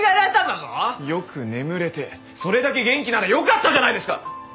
よく眠れてそれだけ元気ならよかったじゃないですか！